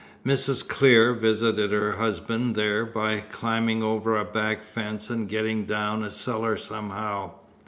Mrs. Clear visited her husband there by climbing over a back fence, and getting down a cellar, somehow."